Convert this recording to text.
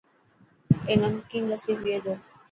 اي نمڪين لسي پئي تو.